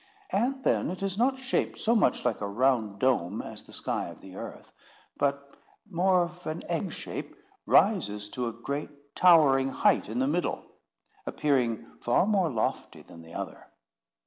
And then it is not shaped so much like a round dome as the sky of the earth, but, more of an egg shape, rises to a great towering height in the middle, appearing far more lofty than the other.